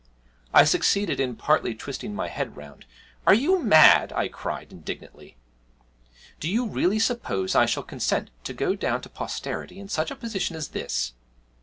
I succeeded in partly twisting my head round. 'Are you mad?' I cried indignantly; 'do you really suppose I shall consent to go down to posterity in such a position as this?'